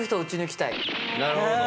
なるほど。